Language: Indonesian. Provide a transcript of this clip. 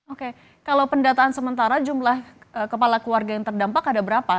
oke kalau pendataan sementara jumlah kepala keluarga yang terdampak ada berapa